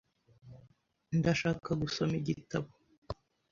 Ndashaka gusoma igitabo .